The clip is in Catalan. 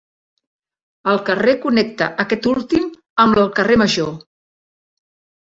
El carrer connecta aquest últim amb el carrer Major.